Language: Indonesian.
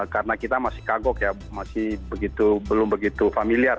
karena kita masih kagok ya masih begitu belum begitu familiar